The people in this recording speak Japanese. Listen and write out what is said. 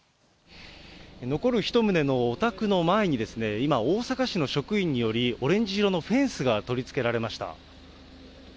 残る１棟のお宅の前に、今、大阪市の職員により、オレンジ色のフェンスが取り付けられました。